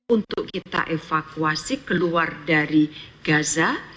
untuk kita evakuasi keluar dari gaza